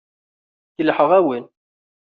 Kellḥeɣ-awen.